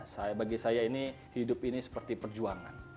saya bagi saya ini hidup ini seperti perjuangan